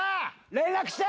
連絡して。